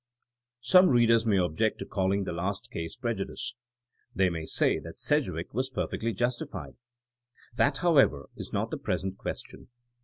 * Some readers may object to calling the last case prejudice. They may say that Sedgwick was perfectly justified. That, however, is not the present question.